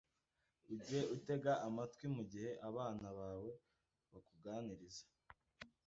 Ujye utega amatwi mu gihe abana bawe bakuganiriza